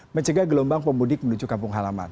mencegah gelombang pemudik menuju kampung halaman